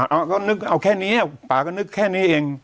เอาก็นึกเอาแค่นี้ป่าก็นึกแค่นี้เอง